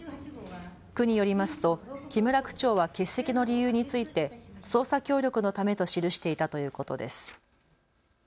区によりますと木村区長は欠席の理由について捜査協力のためと記していたということです。